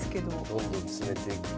どんどん詰めていくと。